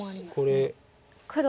これ。